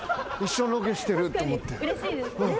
一緒のロケしてるって思って。